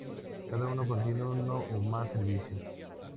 Cada uno contiene uno o más servicios.